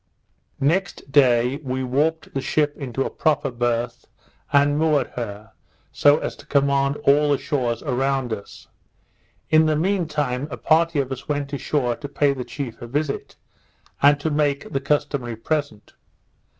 Next day we warped the ship into a proper birth, and moored her, so as to command all the shores around us. In the mean time a party of us went ashore to pay the chief a visit, and to make the customary present.